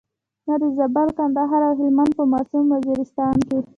نه د زابل، کندهار او هلمند په معصوم وزیرستان کې.